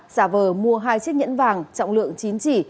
giả vờ mua hai chiếc nhẫn vàng trọng lượng chín chỉ